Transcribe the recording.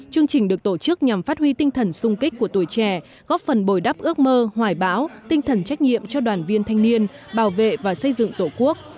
chương trình được tổ chức nhằm phát huy tinh thần sung kích của tuổi trẻ góp phần bồi đắp ước mơ hoài báo tinh thần trách nhiệm cho đoàn viên thanh niên bảo vệ và xây dựng tổ quốc